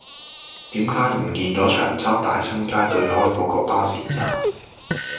點解唔見左長洲大新街對開嗰個巴士站